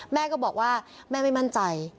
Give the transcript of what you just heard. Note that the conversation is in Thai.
แม่ก็บอกว่าแม่ไม่มั่นใจ